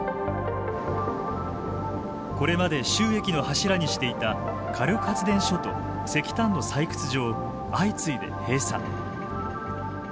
これまで収益の柱にしていた火力発電所と石炭の採掘場を相次いで閉鎖。